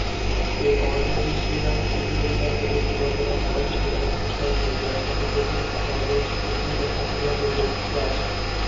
এই অর্ডোভিশিয়ান-সিলুরিয়ান বিলুপ্তি ঘটনার কারণ ছিল এক তুষার যুগ, যার সাথে প্রথম স্থলজ উদ্ভিদের আবির্ভাবের যোগসূত্র আছে।